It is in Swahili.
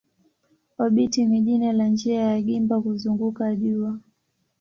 Obiti ni jina la njia ya gimba kuzunguka jua.